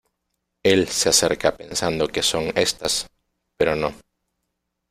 Él se acerca pensando que son estas, pero no.